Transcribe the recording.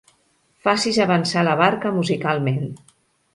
Facis avançar la barca musicalment.